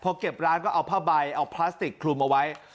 พอเก็บร้านก็เอาผ้าใบเอาพลาสติกคลุมเอาไว้